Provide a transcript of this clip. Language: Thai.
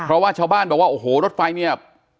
เพราะว่าชาวบ้านบอกว่าโอ้โหรถไฟเนี่ย